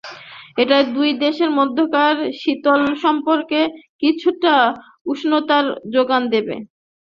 এটা দুই দেশের মধ্যকার শীতল সম্পর্কে কিছুটা উষ্ণতার জোগান দেবে।